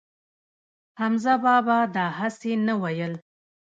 حمزه بابا دا هسې نه وييل